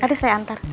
tadi saya antar